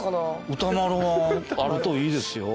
ウタマロはあるといいですよ。